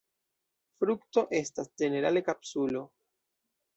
Frukto estas ĝenerale kapsulo.